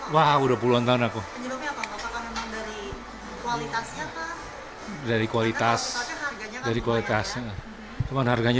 wah udah puluhan tahun aku dari kualitas dari kualitas dari kualitas harganya